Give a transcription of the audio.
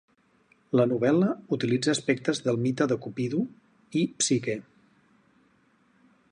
La novel·la utilitza aspectes del mite de Cupido i Psique.